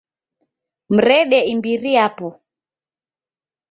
Mrede imbiri yapo